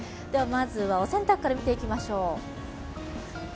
まずはお洗濯から見ていきましょう。